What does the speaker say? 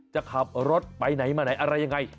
จะขับรถไปไหนมาไหนอะไรยังไง